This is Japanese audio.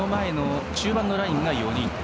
中盤のラインが４人。